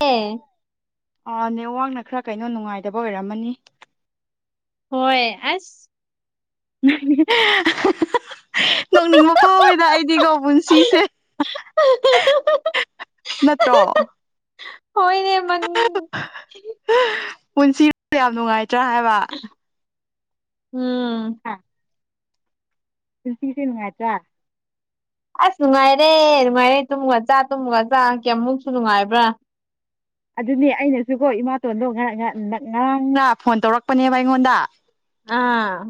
ꯑꯦ ꯑ ꯅꯦꯋꯥꯛꯅ ꯈꯔ ꯀꯩꯅꯣ ꯅꯨꯡꯉꯥꯏꯇꯕ ꯑꯣꯏꯔꯝꯃꯅꯤ ꯍꯣꯏ ꯑꯁ ꯎꯝ ꯅꯣꯡꯅꯤꯡꯕ ꯐꯥꯎꯋꯦꯗ ꯑꯩꯗꯤꯀꯣ ꯄꯨꯟꯁꯤꯁꯦ ꯅꯠꯇ꯭ꯔꯣ ꯍꯣꯏꯅꯦ ꯃ ꯄꯨꯟꯁꯤ ꯌꯥꯝ ꯅꯨꯡꯉꯥꯏꯇ꯭ꯔꯥ ꯍꯥꯏꯕ ꯎꯝ ꯑ ꯁꯤꯅꯉꯆꯥ ꯑꯁ ꯅꯨꯡꯉꯥꯏꯔꯦ ꯅꯨꯡꯉꯥꯏꯔꯦ ꯇꯨꯝꯃꯒ ꯆꯥ ꯇꯨꯝꯃꯒ ꯆꯥ ꯀꯌꯥꯃꯨꯛꯁꯨ ꯅꯨꯡꯉꯥꯏꯕ꯭ꯔꯥ ꯑꯗꯨꯅꯦ ꯑꯩꯅꯁꯨꯀꯣ ꯏꯃꯥꯇꯣꯟꯗꯣ ꯉ ꯉꯔꯥꯡꯅ ꯐꯣꯟ ꯇꯧꯔꯛꯄꯅꯦꯕ ꯑꯩꯉꯣꯟꯗ ꯑꯥ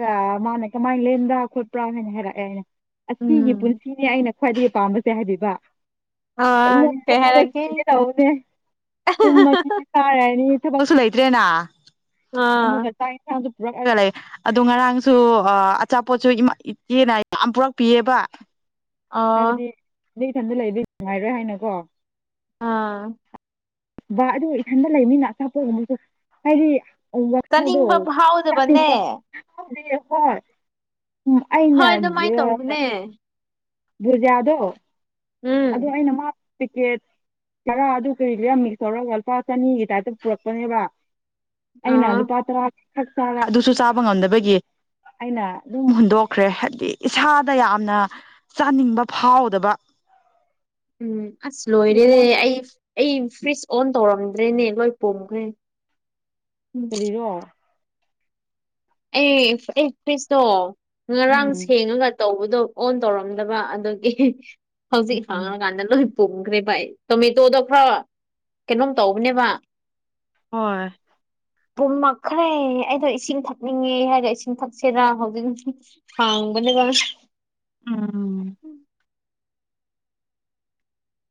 ꯒ ꯃꯥꯅ ꯀꯃꯥꯏꯅ ꯂꯦꯟꯕ꯭ꯔꯥ ꯈꯣꯠꯄ꯭ꯔꯥ ꯍꯥꯏꯅ ꯍꯥꯏꯔꯛꯑꯦ ꯍꯥꯏꯅ ꯑꯁꯤꯒꯤ ꯎꯝ ꯄꯨꯟꯁꯤꯅꯦ ꯑꯩꯅ ꯈ꯭ꯋꯥꯏꯗꯒꯤ ꯄꯥꯝꯕꯁꯦ ꯍꯥꯏꯕꯤꯕ ꯑꯥ ꯀꯩ ꯃꯃ ꯍꯥꯏꯔꯛꯀꯦ ꯌꯥꯎꯅꯦ ꯇ ꯆ ꯇꯥ ꯍꯥꯏꯅꯤ ꯏ ꯊꯁꯨ ꯂꯩꯇꯦꯅꯥ ꯑꯥ ꯑꯃꯨꯒ ꯇ ꯔꯛꯑꯒ ꯂꯩ ꯑꯗꯨ ꯉꯔꯥꯡꯁꯨ ꯑꯆꯥꯄꯣꯠꯁꯨ ꯏꯆꯦꯅ ꯌꯥꯝ ꯄꯨꯔꯛꯄꯤꯑꯕ ꯑꯥ ꯑ ꯏꯊꯟꯗ ꯂꯩꯕ ꯅꯨꯡꯉꯥꯏꯔꯣꯏ ꯍꯥꯏꯅꯀꯣ ꯑꯥ ꯕꯥ ꯑꯗꯨꯒ ꯏꯊꯟꯗ ꯂꯩꯅꯤꯅ ꯑꯆꯥꯄꯣꯠꯒꯨꯝꯕꯁꯨ ꯍꯥꯏꯗꯤ ꯋꯥꯁꯗꯣ ꯆꯥꯅꯤꯡꯕ ꯆ ꯐꯥꯎꯗꯕꯅꯦ ꯍ ꯑꯩꯅ ꯍꯣꯏ ꯑꯗꯨꯃꯥꯏꯅ ꯑꯗꯨ ꯇꯧꯕꯅꯦ ꯕꯨꯖꯌꯥꯗꯣ ꯑꯣ ꯎꯝ ꯑꯩꯅ ꯃꯥ ꯤꯀꯦꯠ ꯈꯔ ꯑꯗꯨ ꯀꯩ ꯃꯤꯛꯁ ꯇꯧꯔꯒ ꯂꯨꯄꯥ ꯆꯅꯤꯒꯤ ꯇꯥꯏꯞꯇ ꯄꯨꯔꯛꯄꯅꯦꯕ ꯑꯩꯅ ꯑꯥ ꯂꯨꯄꯥ ꯇꯔꯥ ꯈꯛ ꯆꯥꯔ ꯑꯗꯨꯁꯨ ꯆꯥꯕ ꯉꯝꯗꯕꯒꯤ ꯑꯩꯅ ꯑꯗꯨꯝ ꯍꯨꯟꯗꯣꯛꯈ꯭ꯔꯦ ꯍꯥꯏꯕꯗꯤ ꯏꯁꯥꯗ ꯌꯥꯝꯅ ꯆꯥꯅꯤꯡꯕ ꯐꯥꯎꯗꯕ ꯎꯝ ꯑꯁ ꯗꯤ ꯂꯣꯏꯔꯦꯦ ꯀꯃꯥꯏꯅ ꯇꯧ ꯑꯩ ꯑꯩ ꯁ꯭ꯋꯆ ꯑꯣꯟ ꯇꯧꯔꯝꯗ꯭ꯔꯦꯅꯦ ꯂꯣꯏ ꯄꯣꯝꯈ꯭ꯔꯦ ꯎꯝ ꯐꯔꯤꯔꯣ ꯑꯦ ꯑꯦ ꯀꯔꯤꯁꯅꯣ ꯉꯔꯥꯡ ꯎꯝ ꯁꯦꯡꯉꯒ ꯇꯧꯕ ꯑꯗꯣ ꯑꯣꯟ ꯇꯧꯔꯝꯗꯕ ꯑꯗꯨꯒꯤ ꯍꯧꯖꯤꯛ ꯎꯝ ꯐꯪꯉꯀꯥꯟꯗ ꯂꯣꯏ ꯄꯨꯡꯈ꯭ꯔꯦ ꯚꯥꯏ ꯇꯣꯃꯦꯇꯣꯗꯣ ꯈꯔꯣ ꯀꯩꯅꯣꯝ ꯇꯧꯕꯅꯦꯕ ꯍꯣꯏ ꯄꯨꯝꯃꯛꯈ꯭ꯔꯦ ꯑꯩꯗꯣ ꯏꯁꯤꯡ ꯊ ꯆꯛꯅꯤꯡꯉꯦ ꯍꯥꯏꯔꯦ ꯏꯁꯤꯡ ꯊꯛꯁꯤꯦꯔ ꯍꯧꯖꯤꯛ ꯍꯥꯡꯕꯅꯦꯕ ꯎꯝ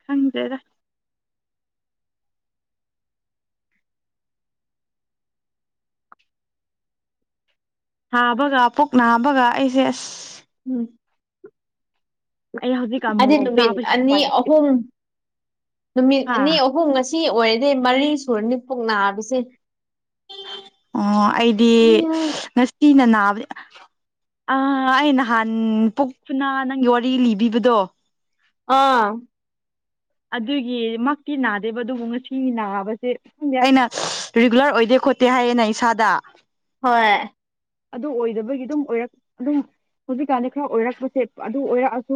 ꯍꯪꯗꯦꯗ ꯍꯥꯕꯒ ꯄꯨꯛ ꯅꯥꯕꯒ ꯑꯩꯁꯦ ꯑꯁ ꯎꯝ ꯑꯩ ꯍꯧꯖꯤꯛꯀꯥꯟ ꯑ ꯃꯣꯔꯣꯛ ꯅꯨꯃꯤ ꯆꯥꯕꯁꯤ ꯑꯅꯤ ꯎꯄꯥꯏ ꯂꯩꯇꯦ ꯑꯍꯨꯝꯨꯝ ꯅꯨꯃꯤꯠ ꯍꯥ ꯑꯅꯤ ꯑꯍꯨꯝ ꯉꯁꯤ ꯑꯣꯏꯔꯗꯤ ꯃꯔꯤ ꯁꯨꯔꯅꯤꯄꯨꯛ ꯅꯥꯕꯤꯁꯦ ꯑꯣ ꯑꯩꯗꯤ ꯎꯝ ꯉꯁꯤꯅ ꯅꯥꯕꯅꯦ ꯑ ꯑꯩ ꯅꯍꯥꯟ ꯄꯨꯛꯄꯅ ꯅꯪꯒꯤ ꯋꯥꯔꯤ ꯂꯤꯕꯤꯕꯗꯣ ꯑꯥ ꯑꯗꯨꯒꯤ ꯃꯛꯇꯤ ꯅꯥꯗꯦꯕ ꯑꯗꯨꯕꯨ ꯉꯁꯤ ꯅꯥꯕꯁꯦ ꯁꯗꯤ ꯑꯩꯅ ꯔꯤꯒꯨꯂꯔ ꯑꯣꯏꯗꯦ ꯈꯣꯠꯇꯦ ꯍꯥꯏꯌꯦꯦ ꯅ ꯑꯩ ꯏꯁꯥꯗ ꯍꯣꯏ ꯑꯗꯨ ꯑꯣꯏꯗꯕꯒꯤ ꯑꯗꯨꯝ ꯑꯣꯏꯔꯛ ꯑꯗꯨꯝ ꯍꯧꯖꯤꯛꯀꯥꯟꯗꯤ ꯈꯔ ꯑꯣꯏꯔꯛꯄꯁꯦ ꯑꯗꯨ ꯑꯣꯏꯔꯛꯑꯁꯨ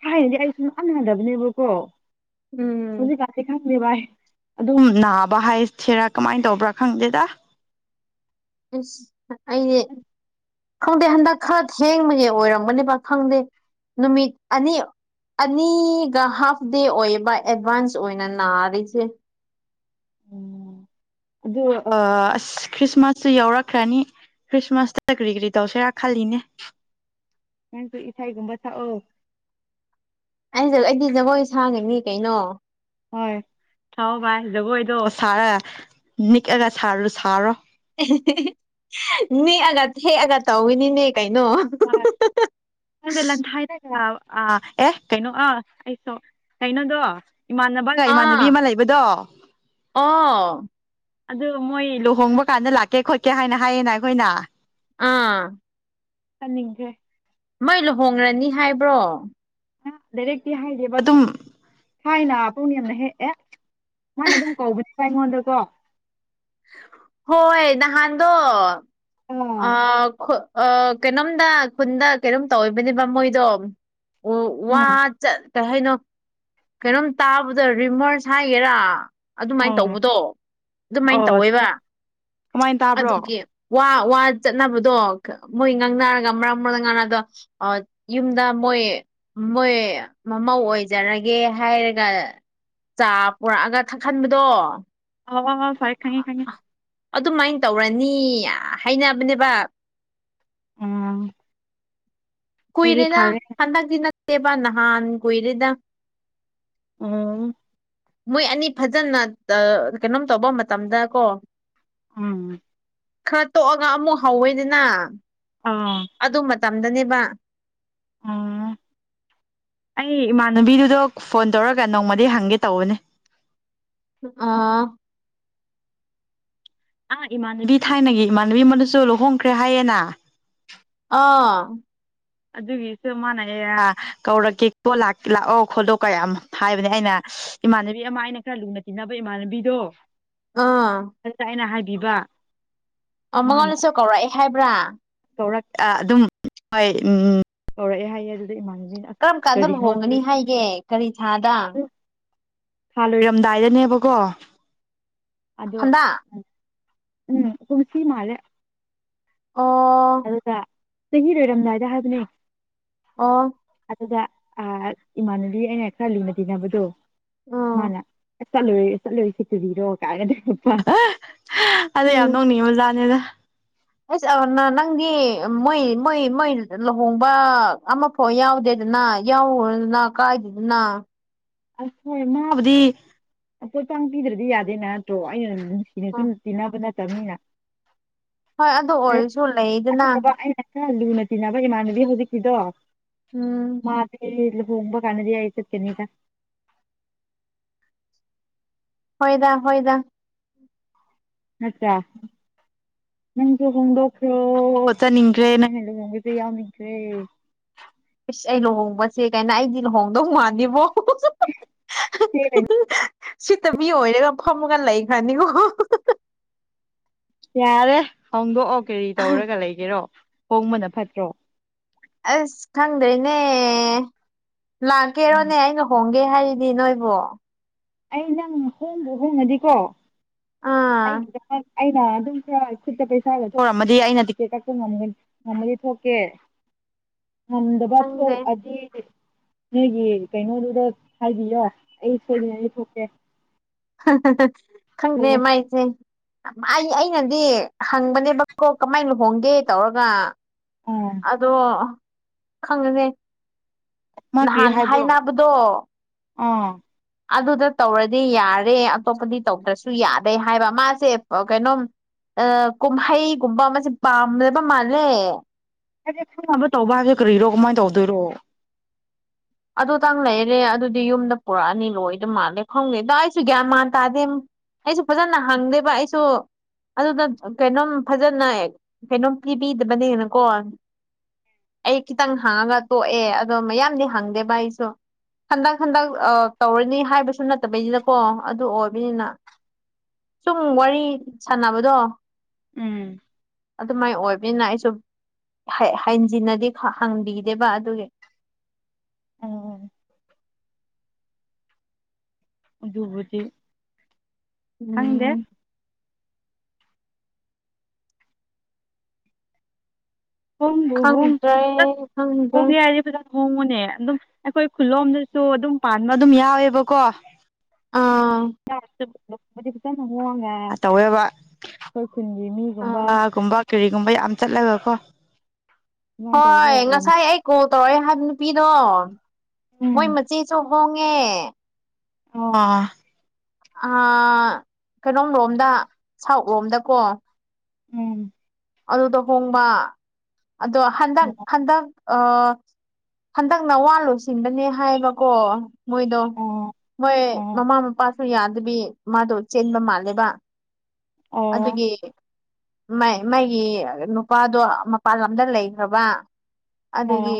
ꯊꯥꯏꯅꯗꯤ ꯑꯩ ꯁꯨꯝ ꯗꯕꯅꯦꯕꯀꯣ ꯎꯝ ꯍꯧꯖꯤꯛꯀꯦ ꯈꯪꯦ ꯚꯥꯏ ꯑꯗꯨꯝ ꯅꯥꯕ ꯍꯥꯏ ꯁꯤꯦꯔꯥ ꯀꯃꯥꯏꯅ ꯇꯧꯕ꯭ꯔꯥ ꯈꯪꯗꯦꯗ ꯑꯩꯅꯦ ꯈꯪꯗꯦ ꯍꯟꯗꯛ ꯈꯔ ꯊꯦꯡꯃꯒꯦ ꯑꯣꯏꯔꯝꯒꯅꯦꯕ ꯈꯪꯗꯦ ꯅꯨꯃꯤꯠ ꯑꯅꯤ ꯑꯅꯤꯒ ꯍꯥꯐ ꯗꯦ ꯑꯣꯏꯕ ꯑꯦꯗꯚꯥꯟꯁ ꯑꯣꯏꯅ ꯅꯥꯔꯤꯁꯦ ꯎꯝ ꯑꯗꯨ ꯑꯁ ꯈ꯭ꯔꯤꯁꯃꯥꯁꯁꯨ ꯌꯥꯎꯔꯛꯈ꯭ꯔꯅꯤ ꯈ꯭ꯔꯤꯁꯃꯥꯁꯇ ꯀꯔꯤ ꯀꯔꯤ ꯇꯧꯁꯦꯔꯥ ꯈꯜꯂꯤꯅꯦ ꯅꯪꯁꯨ ꯏꯁꯩꯥꯏꯒꯨꯝꯕ ꯁꯛꯑꯣ ꯑꯩꯁꯨ ꯑꯩꯗꯤ ꯖꯒꯣꯏ ꯁꯥꯥꯡꯉꯅꯤ ꯀꯩꯅꯣ ꯍꯣꯏ ꯊꯥꯛꯑꯣ ꯚꯥꯏ ꯖꯒꯣꯏꯗꯣ ꯁꯥꯔꯒ ꯅꯤꯛꯑꯒ ꯁꯥꯔ ꯁꯥꯔꯣ ꯅꯦꯛꯑꯒ ꯍꯦꯛꯑꯒ ꯇꯧꯋꯤꯅꯤꯅꯦ ꯀꯩꯅꯣ ꯍꯕꯂ ꯍꯥꯏꯗꯒ ꯑꯥ ꯑꯦ ꯀꯩꯅꯣ ꯑꯥ ꯑꯩꯁꯨꯣ ꯀꯩꯅꯣꯗꯣ ꯏꯃꯥꯟꯅꯕꯒ ꯑꯥ ꯏꯃꯥꯟꯅꯕꯤ ꯑꯃ ꯂꯩꯕꯗꯣ ꯑꯣ ꯑꯗꯨ ꯃꯣꯏ ꯂꯨꯍꯣꯡꯕ ꯀꯥꯟꯗ ꯂꯥꯛꯀꯦ ꯈꯣꯠꯀꯦ ꯍꯥꯏꯅ ꯍꯥꯏꯌꯦꯅ ꯑꯩꯈꯣꯏꯅ ꯑꯥ ꯑꯅꯤꯡꯦ ꯃꯩ ꯂꯨꯍꯣꯡꯡꯂ꯭ꯔꯅꯤ ꯍꯥꯏꯕ꯭ꯔꯣ ꯗꯥꯏꯔꯦꯛꯇꯤ ꯍꯥꯏꯔꯤꯕ ꯑꯗꯨꯝ ꯊꯥꯏꯅꯄꯨꯡꯅꯤꯡ ꯌꯥꯝꯅ ꯍꯦꯛꯑꯦ ꯃꯥꯅ ꯑꯗꯨꯝ ꯀꯧꯕꯅꯤ ꯑꯩꯉꯣꯟꯗꯀꯣ ꯍꯣꯏꯣꯏ ꯅꯍꯥꯟꯗ ꯑꯣ ꯑ ꯑ ꯀꯩꯅꯣꯝꯗ ꯈꯨꯟꯗ ꯀꯩꯅꯣꯝ ꯇꯧꯕꯅꯦꯕ ꯃꯣꯏꯗꯣ ꯎ ꯎꯝ ꯋꯥꯠ ꯀ ꯍꯥꯏꯩꯅꯣ ꯀꯩꯅꯣꯝ ꯇꯥꯕꯗ ꯔꯤꯃꯔꯁ ꯍꯥꯏꯒꯦꯔꯥ ꯑꯗꯨꯃꯥꯏꯅ ꯑꯣ ꯇꯧꯕꯗꯣ ꯑꯗꯨꯃꯥꯏꯅ ꯑꯣ ꯇꯧꯋꯦꯕ ꯀꯃꯥꯏꯅ ꯇꯥꯕ꯭ꯔꯣ ꯑꯗꯨꯒꯤ ꯋꯥ ꯋꯥ ꯆꯠꯅꯕꯗꯣ ꯃꯣꯏ ꯉꯥꯡꯅꯔꯒ ꯃꯔꯛ ꯃꯔꯛꯇ ꯉꯥꯡꯅꯗꯣ ꯌꯨꯝꯗ ꯃꯣꯏ ꯃꯣꯏ ꯃꯃꯧ ꯑꯣꯏꯖꯔꯒꯦ ꯍꯥꯏꯔꯒ ꯆꯥ ꯄꯨꯔꯛꯑꯒ ꯊꯛꯍꯟꯕꯗꯣ ꯍꯋꯥ ꯍ ꯐꯥꯏ ꯈꯪꯉ ꯈꯪꯉ ꯑꯗꯨꯃꯥꯏꯅ ꯇꯧꯔꯅꯤ ꯍꯥꯏꯅꯕꯅꯦꯕ ꯎꯝ ꯑꯗꯨꯗꯤ ꯀꯨꯏꯔꯦꯗ ꯐꯔꯦ ꯍꯟꯗꯛ ꯅꯠꯇꯦꯕ ꯅꯍꯥꯟ ꯀꯨꯏꯔꯦꯗ ꯑꯝ ꯃꯣꯏ ꯑꯅꯤ ꯐꯖꯅ ꯀꯩꯅꯣꯝ ꯇꯧꯕ ꯃꯇꯝꯗ ꯀꯣ ꯑꯥ ꯈꯔ ꯇꯣꯛꯑꯒ ꯑꯃꯨꯛ ꯍꯧꯋꯦꯅꯤꯅ ꯑꯥ ꯑꯗꯨ ꯃꯇꯝꯗꯅꯦꯕ ꯑꯥ ꯑꯩ ꯏꯃꯥꯟꯅꯕꯤꯗꯨꯗꯣ ꯐꯣꯟ ꯇꯧꯔꯒ ꯅꯣꯡꯃꯗꯤ ꯍꯪꯒꯦ ꯇꯧꯕꯅꯦ ꯑꯥ ꯑꯥ ꯏꯃꯥꯟꯅꯕꯤ ꯊꯥꯏꯅꯒꯤ ꯏꯃꯥꯟꯅꯕꯤ ꯑꯃꯅꯁꯨ ꯂꯨꯍꯣꯡꯈ꯭ꯔꯦ ꯍꯥꯏꯌꯦꯦꯅ ꯑꯥ ꯑꯗꯨꯒꯤꯁꯨ ꯃꯥꯅ ꯑꯦ ꯀꯧꯔꯛꯀꯦꯣ ꯂꯥꯛꯑꯣ ꯈꯣꯠꯇꯣ ꯀꯌꯥ ꯍꯥꯏꯕꯅꯦ ꯑꯩꯅ ꯏꯃꯥꯟꯅꯕꯤ ꯑꯃ ꯑꯩꯅ ꯈꯔ ꯂꯨꯅ ꯇꯤꯟꯅꯕ ꯏꯃꯥꯟꯅꯕꯤꯗꯣ ꯑꯥ ꯑꯗꯨꯗ ꯑꯩꯅ ꯍꯥꯏꯕꯤꯕ ꯑꯣ ꯃꯉꯣꯟꯗꯁꯨ ꯀꯧꯔꯛꯏꯦ ꯍꯥꯏꯕ꯭ꯔꯥ ꯇꯧꯔꯛ ꯑꯗꯨꯝ ꯍꯣꯏ ꯎ ꯀꯧꯔꯛꯑꯦ ꯍꯥꯏꯌꯦ ꯑꯗꯨ ꯀꯔꯝ ꯀꯥꯟꯗ ꯂꯨꯍꯣꯡꯒꯅꯤ ꯍꯥꯏꯒꯦ ꯀꯔꯤ ꯊꯥꯗ ꯑꯗꯨ ꯊꯥ ꯂꯣꯏꯔꯝꯗꯥꯏꯗꯅꯦꯕꯀꯣ ꯑꯗꯣ ꯍꯟꯗꯛ ꯎꯝ ꯈꯨꯟꯁꯤꯤ ꯃꯥꯂꯦ ꯑꯣ ꯑꯗꯨꯀ ꯆꯍꯤꯔꯣꯏꯔꯝꯗꯥꯏꯗ ꯍꯥꯏꯕꯅꯦ ꯑꯥ ꯑꯗꯨꯗ ꯏꯃꯥꯟꯅꯕꯤ ꯑꯩꯅ ꯈꯔ ꯂꯤꯅ ꯇꯤꯅꯕꯗꯣ ꯎꯝ ꯃꯥꯅ ꯆꯠꯂꯨꯨꯔꯦ ꯆꯠꯂꯨꯁꯤ ꯇꯨꯕꯤꯔꯣ ꯀꯥꯏꯅꯗꯣꯄ ꯑꯗꯣ ꯌꯥꯝ ꯎꯝ ꯅꯣꯡꯅꯤꯡꯉꯦ ꯑꯣꯖꯥꯅꯦꯗ ꯑꯁ ꯅꯪꯗꯤ ꯃꯣꯏ ꯃꯣꯏ ꯃꯣꯏ ꯂꯨꯍꯣꯡꯕ ꯑꯃꯐꯥꯎ ꯌꯥꯎꯗꯦ ꯅ ꯌꯥꯎꯅ ꯀꯥꯏꯗꯗꯨꯅ ꯑꯁ ꯍꯣꯏ ꯃꯥꯕꯨꯗꯤ ꯄꯣꯠꯄ ꯄꯤꯗ꯭ꯔꯗꯤ ꯌꯥꯗꯦꯅ ꯅꯠꯇ꯭ꯔꯣ ꯑꯩꯅ ꯅꯨꯃꯤ ꯅꯨꯡꯁꯤꯅ ꯁꯨꯝ ꯇꯤꯟꯅꯕ ꯅꯠꯇꯕꯅꯤꯅ ꯍꯣꯏ ꯑꯗꯨ ꯑꯣꯏꯔꯁꯨ ꯂꯩꯗꯅ ꯑꯗꯨꯠꯇꯕ ꯑꯩꯅ ꯈꯔ ꯂꯨꯅ ꯇꯤꯟꯅꯕ ꯏꯃꯥꯟꯅꯕꯤ ꯍꯧꯖꯤꯛꯀꯤꯗꯣ ꯎꯝ ꯃꯥꯗꯤ ꯍꯕꯒ ꯀꯥꯟꯗꯤ ꯍꯥꯏꯔ ꯀꯦꯅꯤꯒ ꯍꯣꯏꯗ ꯍꯣꯏꯗ ꯑꯆꯥ ꯅꯪꯁꯨ ꯍꯣꯡꯗꯣꯛꯈ꯭ꯔꯣ ꯆꯠꯅꯤꯡꯈ꯭ꯔꯦ ꯅꯪ ꯍ ꯂꯨ ꯍꯣꯡꯕꯁꯦ ꯌꯥꯎꯅꯤꯡꯈ꯭ꯔꯦ [unintelligible] ꯏꯁ ꯑꯩ ꯂꯨꯍꯣꯡꯕꯁꯦ ꯀꯥꯏꯅ ꯑꯩꯗꯤ ꯂꯨꯍꯣꯡꯗꯧ ꯃꯥꯥꯟꯅꯤꯕꯣ ꯁꯤꯇꯕꯤ ꯑꯣꯏꯔꯒ ꯐꯝꯃꯒ ꯂꯩꯈ꯭ꯔꯅꯤꯀꯣ ꯌꯥꯔꯦ ꯍꯣꯡꯗꯣꯛꯑꯣ ꯀꯔꯤ ꯇꯧꯔꯒ ꯂꯩꯒꯦꯔꯣ ꯍꯣꯡꯕꯅ ꯐꯠꯇ꯭ꯔꯣ ꯑꯁ ꯈꯪꯗꯦꯅꯦ ꯂꯥꯛꯀꯦꯔꯣꯅꯦ ꯑꯩꯅ ꯍꯣꯡ ꯈꯪꯒꯦ ꯍꯥꯏꯔꯤꯅꯤ ꯅꯣꯏꯕꯨꯣ ꯑꯩ ꯅꯪ ꯍꯣꯡꯕ ꯍꯣꯡꯉꯗꯤꯀꯣ ꯑꯥ ꯑꯩꯒꯤꯗ ꯑꯩꯅ ꯑꯗꯨꯝ ꯈꯔ ꯈꯨꯠꯇ ꯄꯩꯁꯥꯒꯔꯝꯃꯗꯤ ꯑꯩꯅ ꯇꯤꯀꯦꯠ ꯀꯛꯄ ꯉꯝꯃꯗꯤ ꯊꯣꯛꯀꯦ ꯑꯍꯗꯕꯥ ꯊ ꯈꯪꯗ꯭ꯔꯦ ꯑꯗꯨꯖꯤ ꯅꯣꯏꯒꯤ ꯀꯩꯅꯣꯗꯨꯗ ꯍꯥꯏꯕꯤꯌꯣ ꯑꯩ ꯁꯣꯏꯗꯅꯩ ꯌ ꯊꯣꯛꯣꯛꯀꯦ ꯈꯅꯦ ꯃꯥꯥꯏꯁꯦ ꯑꯩ ꯑꯩꯅꯗꯤ ꯍꯪꯕꯅꯦꯕꯀꯣ ꯀꯃꯥꯏꯅ ꯂꯨꯍꯣꯡꯒꯦ ꯇꯧꯔꯒ ꯑꯥ ꯑꯗꯣ ꯈꯪꯒꯅꯦ ꯃꯥ ꯀꯔꯤ ꯅꯍꯥꯟ ꯍꯥꯏꯕ꯭ꯔꯣ ꯍꯥꯏꯅꯕꯗꯣ ꯑꯥ ꯑꯗꯨꯗ ꯇꯧꯔꯗꯤ ꯌꯥꯔꯦ ꯑꯇꯣꯞꯄꯗꯤ ꯇꯧꯗ꯭ꯔꯁꯨ ꯌꯥꯗꯦ ꯍꯥꯏꯕ ꯃꯥꯁꯦ ꯀꯩꯅꯣꯝ ꯑ ꯀꯨꯝꯍꯩꯒꯨꯝꯕ ꯑꯃꯁꯦ ꯄꯥꯝꯗꯕ ꯃꯥꯜꯂꯦ ꯍꯥꯏꯗꯤ ꯈꯪꯅꯕ ꯇꯧꯕ ꯍꯥꯏꯒꯦ ꯀꯔꯤꯏꯔꯣ ꯀꯃꯥꯏꯅ ꯇꯧꯗꯣꯏꯔꯣ ꯑꯗꯨꯇꯪ ꯂꯩꯔꯦ ꯑꯗꯨꯗꯤ ꯌꯨꯝꯗ ꯄꯨꯔꯛꯑꯅꯤ ꯂꯣꯏꯗ ꯃꯥꯜꯂꯦ ꯈꯪꯗꯦꯗ ꯑꯩꯁꯨ ꯒ꯭ꯌꯥꯟ ꯃꯥꯟ ꯇꯥꯗꯦ ꯑꯩꯁꯨ ꯐꯖꯅ ꯍꯪꯗꯦꯕ ꯑꯩꯁꯨ ꯑꯗꯨꯅ ꯀꯩꯅꯣꯝ ꯐꯖꯅ ꯀꯩꯅꯣꯝ ꯄꯤꯕꯤꯗꯕꯅꯦꯅꯀꯣ ꯑꯩ ꯈꯤꯇꯪ ꯍꯪꯉꯒ ꯇꯣꯛꯑꯦ ꯑꯗꯣ ꯃꯌꯥꯝꯗꯤ ꯍꯪꯗꯦ ꯚ ꯑꯩꯁꯨ ꯍꯟꯗꯛ ꯍꯟꯗꯛ ꯑ ꯇꯧꯔꯅꯤ ꯍꯥꯏꯕꯁꯨ ꯅꯠꯇꯕꯩꯅꯤꯅꯀꯣ ꯑꯗꯨ ꯑꯣꯏꯕꯅꯤꯅ ꯁꯨꯝ ꯋꯥꯔꯤ ꯁꯥꯟꯅꯕꯗꯣ ꯎꯝ ꯑꯗꯨꯃꯥꯏꯅ ꯑꯣꯏꯕꯅꯤꯅ ꯑꯩꯁꯨ ꯍꯖꯤꯟꯅꯗꯤ ꯍꯪꯕꯤꯗꯦꯕ ꯑꯗꯨꯒꯤ ꯑ ꯑꯗꯨꯕꯗꯤ ꯎꯝ ꯍꯣꯡ ꯍꯣꯡ ꯈꯪꯗ꯭ꯔꯦ ꯆ ꯈꯪꯗ꯭ꯔꯦ ꯍꯣꯡ ꯍꯥꯏꯦ ꯍꯣꯡꯉꯨꯅꯦ ꯑꯗꯨꯝ ꯑꯩꯈꯣꯏ ꯈꯨꯂꯣꯝꯗꯁꯨ ꯑꯗꯨꯝ ꯄꯥꯟꯕ ꯑꯗꯨꯝ ꯌꯥꯎꯋꯦꯕꯀꯣ ꯑꯥ ꯗꯤ ꯐꯖꯅ ꯍꯣꯡꯒꯦ ꯇꯧꯋꯦꯕ ꯈꯨ ꯈꯨꯟꯒꯤ ꯑꯥ ꯃꯤꯒꯨꯝꯕꯒꯨꯝꯕ ꯀꯔꯤꯒꯨꯝꯕ ꯌꯥꯝ ꯆꯠꯂꯒ ꯀꯣ ꯑꯗꯨꯃꯥꯏꯅ ꯍꯣꯏ ꯇꯧꯔꯒ ꯌꯥꯝ ꯉꯁꯥꯏ ꯑꯩ ꯀꯣꯜ ꯇꯧꯔꯛꯑꯦ ꯍꯥꯏꯕ ꯅꯨꯄꯤꯗꯣ ꯎꯝ ꯃꯣꯏ ꯃꯆꯦꯁꯨ [unintelligible] ꯑ ꯑ ꯀꯩꯅꯣꯝ ꯂꯣꯝꯗ ꯁꯥꯎꯠ ꯂꯣꯝꯗꯀꯣ ꯎꯝ ꯑꯗꯨꯗꯣ ꯍꯣꯡꯕ ꯑꯗꯣ ꯍꯟꯗꯛ ꯑꯣ ꯍꯟꯗꯛ ꯑ ꯍꯟꯗꯛꯅ ꯋꯥ ꯂꯣꯏꯁꯤꯟꯕꯅꯦ ꯍꯥꯏꯕꯀꯣ ꯃꯣꯏꯗꯣ ꯍꯣꯏ ꯑꯣ ꯃꯃꯥ ꯃꯄꯥꯁꯨ ꯌꯥꯗꯕꯤ ꯃꯥꯗꯣ ꯆꯦꯟꯕ ꯃꯥꯜꯂꯦꯕ ꯑꯣ ꯑꯗꯨꯒꯤ ꯃꯥꯏ ꯃꯒꯤ ꯅꯨꯄꯥꯗꯣ ꯃꯄꯥꯟ ꯂꯝꯗ ꯂꯩꯈ꯭ꯔꯕ ꯑꯗꯨꯒꯤ ꯑꯣ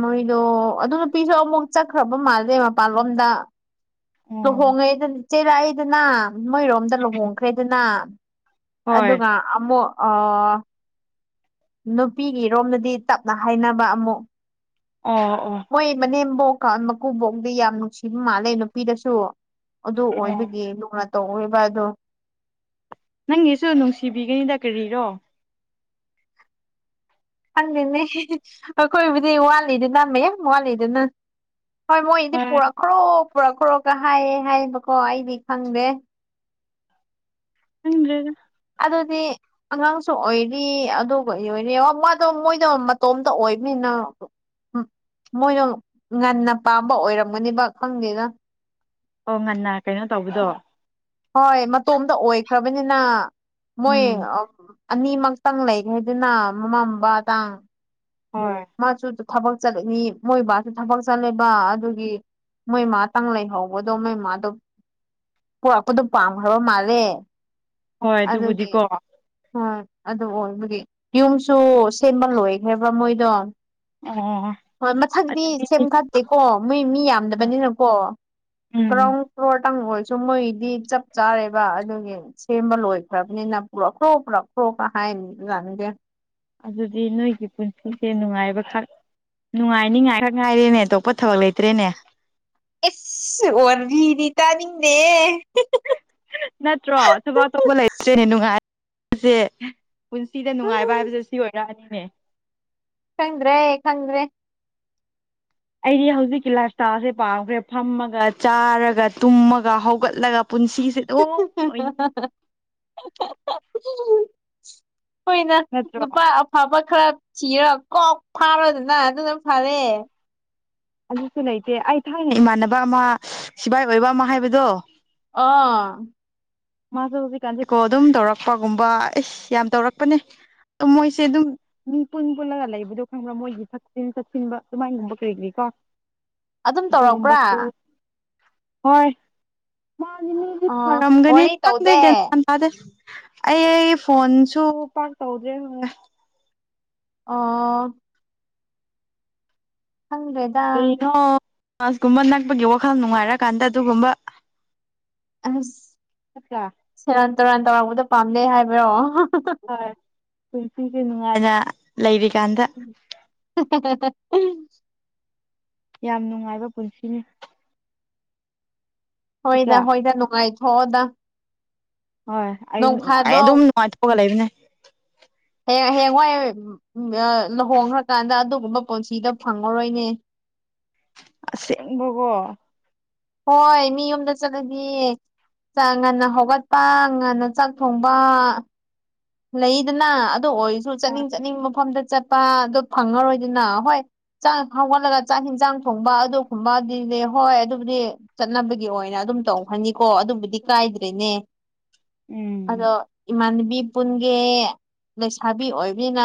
ꯃꯣꯏꯗꯣ ꯑꯗꯨ ꯅꯨꯄꯤꯁꯨ ꯑꯃꯨꯛ ꯆꯠꯈ꯭ꯔꯕ ꯃꯥꯜꯂꯦ ꯃꯄꯥꯟꯂꯣꯝꯗ ꯎꯝ ꯂꯨꯍꯣꯡꯉꯦꯗꯅ ꯏꯆ ꯆꯩꯔꯛꯏꯗꯅ ꯃꯣꯏꯔꯣꯝꯗ ꯂꯨꯍꯣꯡꯈ꯭ꯔꯦꯗꯅ ꯍꯣꯏ ꯑꯗꯨꯒ ꯑꯃꯨ ꯑ ꯅꯨꯄꯤꯒꯤꯔꯣꯝꯗꯗꯤ ꯇꯞꯅ ꯍꯥꯏꯅꯕ ꯑꯃꯨꯛ ꯑꯣ ꯑꯣ ꯕꯣꯛ ꯃꯀꯨꯕꯣꯛꯗꯤ ꯌꯥꯝ ꯅꯨꯡꯁꯤꯕ ꯃꯥꯜꯂꯦ ꯅꯨꯄꯤꯗꯁꯨ ꯑꯗꯨ ꯑꯣ ꯑꯣꯏꯕꯒꯤ ꯇꯧꯏꯕ ꯗꯨ ꯅꯪꯒꯤꯁꯨ ꯅꯨꯡꯁꯤꯕꯤꯒꯅꯤꯗ ꯀꯔꯤꯔꯣ ꯍꯪꯉꯅꯦ ꯑꯩꯈꯣꯏꯕꯨꯗꯤ ꯋꯥꯠꯂꯤꯗ ꯅꯝꯃꯦ ꯌꯥꯝ ꯋꯥꯠꯂꯤꯗꯅ ꯍꯣꯏ ꯃꯣꯏꯗꯤ ꯍꯣꯏ ꯄꯨꯔꯛꯈ꯭ꯔꯣ ꯄꯨꯔꯛꯈ꯭ꯔꯣꯒ ꯍꯥꯏꯌꯦꯦ ꯍꯥꯏꯕꯀꯣ ꯑꯩꯗꯤ ꯈꯪꯗꯦ ꯈꯥꯡꯗ꯭ꯔꯦꯒ ꯑꯗꯨꯗꯤ ꯑꯉꯥꯡꯁꯨ ꯑꯣꯏꯔꯤ ꯑꯗꯨꯒ ꯑꯣꯏꯔꯤ ꯃꯥꯗꯣ ꯃꯣꯏꯗꯣ ꯃꯇꯣꯝꯇ ꯑꯣꯏꯕꯅꯤꯅ ꯃꯣꯏꯅ ꯉꯟꯅ ꯄꯥꯝꯕ ꯑꯣꯏꯔꯝꯒꯅꯦꯕ ꯈꯪꯗꯦꯅ ꯑꯣ ꯉꯟꯅ ꯀꯩꯅꯣ ꯇꯧꯕꯗꯣ ꯍꯣꯏ ꯃꯇꯣꯝꯇ ꯑꯣꯏꯈ꯭ꯔꯕꯅꯤꯅ ꯃꯣꯏ ꯎꯝ ꯑꯅꯤꯃꯛꯇꯪ ꯂꯩꯈꯦꯗꯨꯅ ꯃꯃꯥꯡꯝꯕ ꯇꯥꯡ ꯍꯣꯏ ꯃꯥꯁꯨ ꯊꯕꯛ ꯆꯠꯂꯅꯤ ꯃꯣꯏ ꯕꯥꯁꯨ ꯊꯕꯛ ꯆꯠꯂꯕ ꯑꯗꯨꯒꯤ ꯃꯣꯏꯃꯇꯪ ꯂꯩꯍꯧꯕꯗꯣ ꯃꯣꯏꯃꯥꯗꯣ ꯄꯔꯄꯗꯣ ꯄꯥꯝꯈ꯭ꯔꯕ ꯃꯥꯜꯂꯦ ꯍꯣꯏ ꯑꯗꯨꯒꯤ ꯑꯗꯨꯕꯨꯗꯤꯀꯣ ꯍꯣꯏ ꯑꯗꯨ ꯑꯣꯏꯕꯗꯤ ꯌꯨꯝꯁꯨ ꯁꯦꯝꯕ ꯂꯣꯏꯈꯕ꯭ꯔꯥ ꯃꯣꯏꯗꯣ ꯑꯣ ꯍꯣꯏ ꯃꯊꯪꯗꯤ ꯁꯦꯝ ꯑꯗꯨꯗꯤ ꯈꯛꯇꯦꯀꯣ ꯃꯣꯏ ꯃꯤ ꯌꯥꯝꯗꯕꯅꯤꯅꯀꯣ ꯎꯝ ꯒ꯭ꯔꯥꯎꯟ ꯐ꯭ꯂꯣꯔꯇꯪ ꯑꯣꯏꯁꯨ ꯃꯣꯏꯗꯤ ꯆꯞ ꯆꯥꯔꯦꯕ ꯑꯗꯨꯒꯤ ꯁꯦꯝꯕ ꯂꯣꯏꯈ꯭ꯔꯕꯅꯤꯅ ꯄꯨꯔꯛꯈ꯭ꯔꯣ ꯄꯨꯔꯛꯈ꯭ꯔꯣ ꯀꯍꯥꯏꯅꯤ ꯂꯅꯤꯁꯦ ꯑꯗꯨꯗꯤ ꯅꯣꯏꯒꯤ ꯄꯨꯟꯁꯤꯁꯦ ꯅꯨꯡꯉꯥꯏꯕꯈꯛ ꯅꯨꯡꯉꯥꯏꯅꯤꯉꯥꯏ ꯈꯔ ꯉꯥꯏꯔꯦꯅꯦ ꯑꯇꯣꯞꯄ ꯊꯕꯛ ꯂꯩꯇ꯭ꯔꯦꯅꯦ ꯑꯦꯁ ꯑꯣꯟ ꯋꯔꯤꯗꯤ ꯇꯥꯅꯤꯡꯅꯦ ꯅꯠꯇ꯭ꯔꯣ ꯊꯕꯛ ꯑꯇꯧꯕ ꯂꯩꯇ꯭ꯔꯦꯅꯦ ꯅꯨꯡꯉꯥꯏ ꯁꯦ ꯄꯨꯟꯁꯤꯗ ꯎꯝ ꯅꯨꯡꯉꯥꯏꯕ ꯍꯥꯏꯕꯁꯦ ꯁꯤ ꯑꯣꯏꯔꯛꯑꯅꯤꯅꯦ ꯈꯪꯗ꯭ꯔꯦ ꯈꯪꯗ꯭ꯔꯦ ꯑꯩꯗꯤ ꯍꯧꯖꯤꯛꯀꯤ ꯂꯥꯏꯞ ꯏꯁꯇꯥꯏꯜꯁꯦ ꯄꯥꯝꯈ꯭ꯔꯦ ꯐꯝꯃꯒ ꯆꯥꯔꯒ ꯇꯨꯝꯃꯒ ꯍꯧꯒꯠꯂꯒ ꯄꯨꯟꯁꯤꯁꯦ ꯑꯗꯨꯝ ꯑꯣꯏꯅꯤ ꯍꯣꯏꯅ ꯅꯠꯇ꯭ꯔꯣ ꯅꯨꯄꯥ ꯑꯐꯕ ꯈꯔ ꯊꯤꯔ ꯀꯣꯛ ꯐꯥꯔꯣꯏꯗꯅ ꯑꯗꯨꯅ ꯐꯔꯦ ꯑꯗꯨꯁꯨ ꯂꯩꯇꯦ ꯑꯩ ꯊꯥꯏꯅ ꯏꯃꯥꯟꯅꯕ ꯑꯃ ꯁꯤꯕꯥꯏ ꯑꯣꯏꯕ ꯑꯃ ꯍꯥꯏꯕꯗꯣ ꯑꯥ ꯃꯥꯁꯨ ꯍꯧꯖꯤꯛꯀꯥꯟꯁꯤꯀꯣ ꯑꯗꯨꯝ ꯇꯧꯔꯛꯄꯒꯨꯝꯕ ꯑꯦꯁ ꯌꯥꯝ ꯇꯧꯔꯛꯄꯅꯦ ꯃꯣꯏꯁꯦ ꯑꯗꯨꯝ ꯃꯤ ꯄꯨꯟ ꯄꯨꯜꯂꯒ ꯂꯩꯕꯗꯣ ꯈꯪꯕ꯭ꯔꯥ ꯃꯣꯏꯒꯤ ꯊꯛꯆꯤꯟ ꯆꯠꯆꯤꯟꯕ ꯑꯗꯨꯃꯥꯏꯅꯒꯨꯝꯕ ꯀꯔꯤ ꯀꯔꯤꯀꯣ ꯑ ꯑꯗꯨꯝ ꯇꯧꯔꯛꯄ꯭ꯔꯥ ꯍꯣꯏ ꯃꯥꯒꯤꯗꯤ ꯑꯣ ꯊꯔꯝꯒꯅꯤ ꯋꯥꯔꯤ ꯈꯪꯗꯦ ꯇꯧꯗꯦ ꯒ꯭ꯌꯥꯟ ꯇ ꯇꯥꯗꯦ ꯑꯩ ꯐꯣꯟꯁꯨ ꯄꯥꯛ ꯇꯧꯗ꯭ꯔꯦ ꯍ ꯑ ꯍꯪ꯭ꯔꯦꯗ ꯀꯩꯅꯣ ꯃꯥꯁꯀꯨꯝꯕ ꯅꯛꯄꯒꯤ ꯋꯥꯈꯜ ꯅꯨꯡꯉꯥꯏꯔꯀꯥꯟꯗ ꯑꯗꯨꯒꯨꯝꯕ ꯑꯁ ꯅꯠꯇ꯭ꯔꯥ ꯁꯦꯔꯥꯟ ꯇꯨꯔꯥꯟ ꯇꯧꯔꯛꯄꯗꯣ ꯄꯥꯝꯗꯩ ꯍꯥꯏꯕꯔꯣ ꯍꯣꯏ ꯄꯨꯟꯁꯤꯁꯦ ꯅꯨꯡꯉꯥꯏꯅ ꯂꯩꯔꯤ ꯎ ꯍ ꯌꯥꯝ ꯅꯨꯡꯉꯥꯏꯕ ꯄꯨꯟꯁꯤꯅꯤ ꯅꯠꯇ꯭ꯔꯥ ꯍꯣꯏꯗ ꯍꯣꯏꯗ ꯅꯨꯡꯉꯥꯏꯊꯣꯑꯣꯗꯥ ꯍꯣꯏ ꯑꯩ ꯅꯨꯡꯉꯥꯏ ꯐꯥꯗꯣꯛ ꯑꯗꯨꯝ ꯅꯨꯡꯉꯥꯏꯊꯣꯛꯑꯒ ꯂꯩꯕꯅꯦ ꯍꯌꯦ ꯍꯌꯦꯡꯋꯥꯏ ꯂꯨꯍꯣꯡꯈ꯭ꯔꯀꯥꯟꯗ ꯑꯗꯨꯒꯨꯝꯕ ꯄꯨꯟꯁꯤꯗ ꯐꯪꯉꯔꯣꯏꯅꯦ ꯑꯁꯦꯡꯡꯕꯒꯣ ꯍꯣꯏ ꯃꯤ ꯌꯨꯝꯗ ꯆꯠꯂꯗꯤ ꯉꯟꯅ ꯍꯧꯒꯠꯄ ꯉꯟꯅ ꯆꯥꯛ ꯊꯣꯡꯕ ꯂꯩꯗꯅ ꯑꯗꯨꯗ ꯑꯣꯏꯔꯁꯨ ꯆꯠꯅꯤꯡ ꯆꯠꯅꯤꯡ ꯃꯐꯝꯗ ꯆꯠꯄ ꯑꯗꯨꯣ ꯐꯪꯉꯔꯣꯏꯗꯅ ꯍꯣꯏ ꯆꯥꯛ ꯍꯧꯒꯠꯂꯒ ꯆꯥꯛ ꯌꯦꯟꯖꯥꯡ ꯊꯣꯡꯕ ꯑꯗꯨꯒꯨꯝꯕꯗꯤꯗꯤ ꯍꯣꯏ ꯑꯗꯨꯕꯨꯗꯤ ꯆꯠꯅꯕꯒꯤ ꯑꯣꯏꯅ ꯑꯗꯨꯝ ꯇꯧ ꯍꯅꯤꯀꯣ ꯑꯗꯨꯕꯨꯗꯤ ꯀꯥꯏꯗ꯭ꯔꯦꯅꯦ ꯎꯝ ꯑꯗꯣ ꯏꯃꯥꯟꯅꯕꯤ ꯄꯨꯟꯒꯦ ꯂꯩꯁꯥꯕꯤ ꯑꯣꯏꯕꯅꯤꯅ